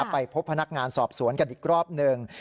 ไปพบพนักงานสอบสวนกันอีกรอบหนึ่ง